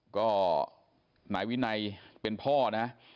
ก็นายวินัยเป็นพ่อนะ